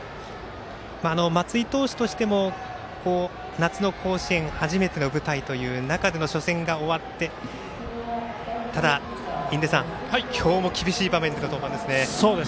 松井投手としても夏の甲子園初めての舞台という中での初戦が終わってただ、印出さん今日も厳しい場面での登板ですね。